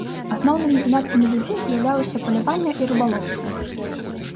Асноўнымі заняткамі людзей з'яўляліся паляванне і рыбалоўства.